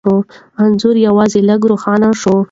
انځور یوازې لږ روښانه شوی،